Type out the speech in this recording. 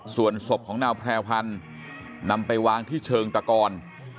ส่วนศพของนางแพรวพันธ์นำไปวางที่เชิงตะกอน